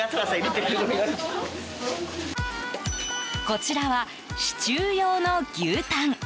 こちらはシチュー用の牛タン。